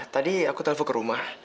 tadi aku telpo ke rumah